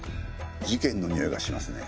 事件のにおいがしますね。